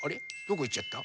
どこいっちゃった？